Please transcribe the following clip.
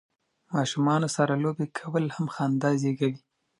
ماشومانو سره لوبې کول هم خندا زیږوي.